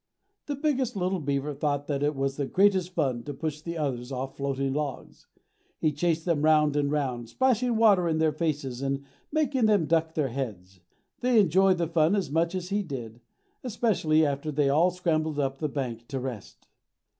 The biggest little beaver thought that it was the greatest fun to push the others off floating logs. He chased them round and round, splashing water in their faces and making them duck their heads. They enjoyed the fun as much as he did, especially after they all scrambled upon the bank to rest.